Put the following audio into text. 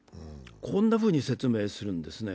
こんなふうに説明するんですね。